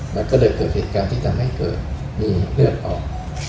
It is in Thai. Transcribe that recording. มันก็เลยเกิดเหตุการณ์ที่ทำให้เกิดมีเลือดออก